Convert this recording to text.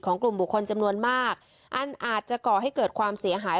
กลุ่มบุคคลจำนวนมากอันอาจจะก่อให้เกิดความเสียหาย